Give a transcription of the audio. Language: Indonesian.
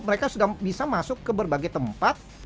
mereka sudah bisa masuk ke berbagai tempat